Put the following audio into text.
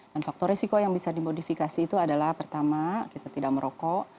faktor resiko yang bisa dimodifikasi itu adalah pertama kita tidak merokok